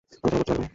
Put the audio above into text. আলোচনা করতে লাগল।